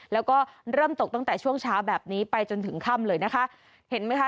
แล้วก็เริ่มตกตั้งแต่ช่วงเช้าแบบนี้ไปจนถึงค่ำเลยนะคะเห็นไหมคะ